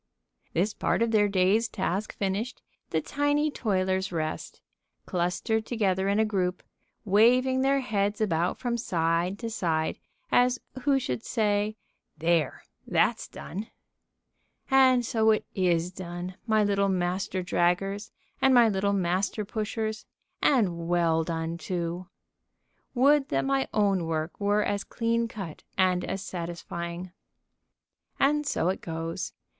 This part of their day's task finished, the tiny toilers rest, clustered together in a group, waving their heads about from side to side, as who should say: "There that's done!" And so it is done, my little Master Draggers and my little Master Pushers, and well done, too. Would that my own work were as clean cut and as satisfying. And so it goes.